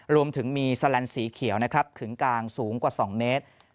รวมถึงมีแสลนสีเขียวนะครับขึงกลางสูงกว่า๒เมตร